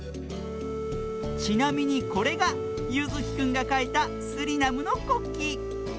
ちなみにこれがゆずきくんがかいたスリナムのこっき。